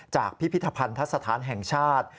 จากพิพิธภัณฑ์ทศาสตร์แห่งชาติ